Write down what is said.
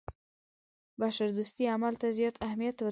د بشردوستۍ عمل ته زیات اهمیت ورکوي.